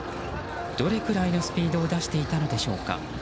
どれくらいのスピードを出していたのでしょうか。